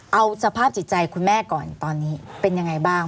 เอาสภาพจิตใจคุณแม่ก่อนตอนนี้เป็นยังไงบ้าง